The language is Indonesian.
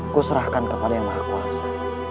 kuserahkan kepada yang maha kuasa